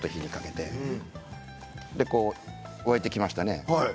沸いてきましたね。